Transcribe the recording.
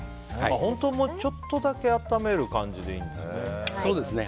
本当にちょっとだけ温める感じでいいんですね。